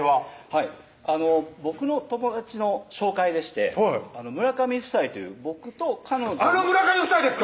はい僕の友達の紹介でして村上夫妻という僕と彼女あの村上夫妻ですか⁉